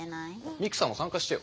未来さんも参加してよ。